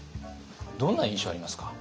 どんな印象ありますか？